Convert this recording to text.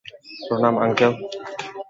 প্রণাম, আঙ্কেল।